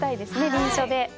臨書で。